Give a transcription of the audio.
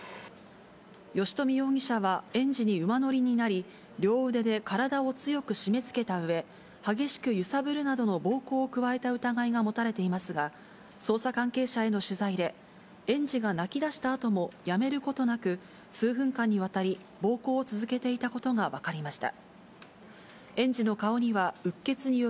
吉冨容疑者は園児に馬乗りになり、両腕で体を強くしめつけたうえ、激しく揺さぶるなどの暴行を加えた疑いが持たれていますが、捜査関係者への取材で、園児が泣きだしたあともやめることなく、数分間にわたり、暴行を続けていたことが分かりました。